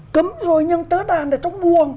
cấm rồi nhưng tớ đang ở trong buồn